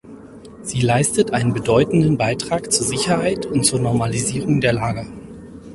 Sie leistet einen bedeutenden Beitrag zur Sicherheit und zur Normalisierung der Lage.